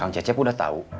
kang cecep udah tau